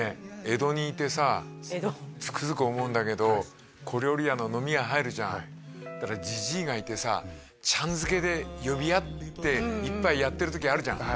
江戸にいてさつくづく思うんだけど小料理屋の飲み屋入るじゃんったらジジイがいてさちゃん付けで呼び合って一杯やってる時あるじゃん